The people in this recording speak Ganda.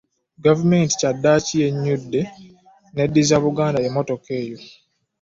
Gavumenti kyaddaaki yennyudde n'eddizza Buganda emmotoka eno.